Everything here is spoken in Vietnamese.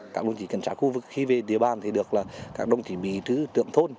các đồng chí cảnh sát khu vực khi về địa bàn thì được là các đồng chí bị trữ trượng thôn